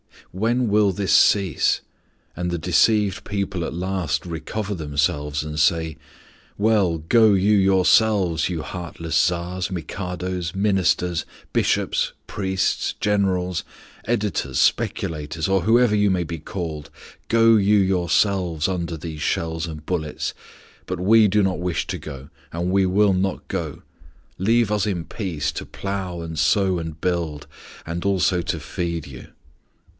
When will this cease, and the deceived people at last recover themselves and say: "Well, go you yourselves, you heartless Tsars, Mikados, Ministers, Bishops, priests, generals, editors, speculators, or however you may be called, go you yourselves under these shells and bullets, but we do not wish to go and we will not go. Leave us in peace, to plough, and sow, and build, and also to feed you."